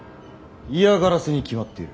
嫌がらせに決まっている。